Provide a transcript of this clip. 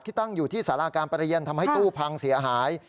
ตั้งอยู่ที่สาราการประเรียนทำให้ตู้พังเสียหาย